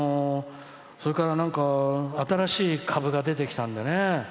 それから、なんか新しい株が出てきたんでね。